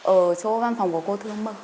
ở chỗ văn phòng của cô thương mơ